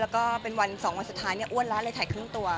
แล้วเป็นสองวันสุดท้ายอ้วนละเลยถ่ายครึ่งตัว